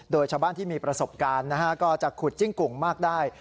โดยชาวบ้านที่มีประสบการณ์นะฮะก็จะขุดจิ้งกุ่งมากได้